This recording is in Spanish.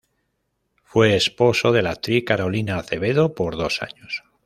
Fue esposo de la actriz Carolina Acevedo por dos años.